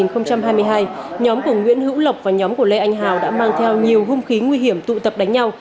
năm hai nghìn hai mươi hai nhóm của nguyễn hữu lộc và nhóm của lê anh hào đã mang theo nhiều hung khí nguy hiểm tụ tập đánh nhau